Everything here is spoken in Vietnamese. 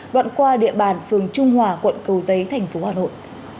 đoạn qua địa bàn phường trung hòa quận cầu giấy thành phố hà nội